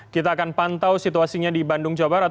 kita akan pantau situasinya di bandung jawa barat